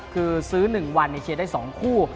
คือซื้อ๑วันในเชียร์ได้๒คู่